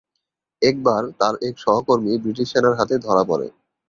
একবার, তার এক সহকর্মী ব্রিটিশ সেনার হাতে ধরা পড়ে।